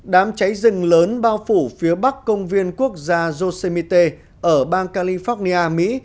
đám cháy rừng lớn bao phủ phía bắc công viên quốc gia josemit ở bang california mỹ